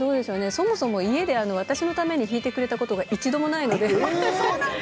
そもそも家で私のために弾いてくれたことは一度もないので。